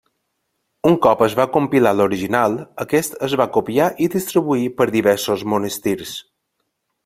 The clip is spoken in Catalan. Un cop es va compilar l'original, aquest es va copiar i distribuir per diversos monestirs.